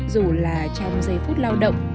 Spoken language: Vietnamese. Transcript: dù là trong giây phút lao động